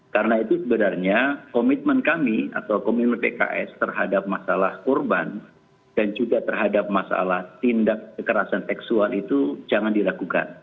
karena itu sebenarnya komitmen kami atau komitmen pks terhadap masalah korban dan juga terhadap masalah tindak kekerasan seksual itu jangan dilakukan